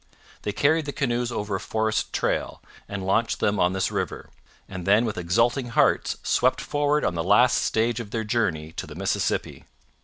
They carried the canoes over a forest trail, and launched them on this river; and then with exulting hearts swept forward on the last stage of their journey to the Mississippi.